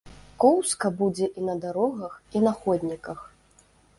Коўзка будзе і на дарогах, і на ходніках.